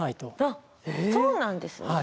あっそうなんですね。